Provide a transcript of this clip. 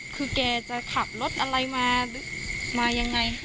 คือแกจะขับรถอะไรมายังไง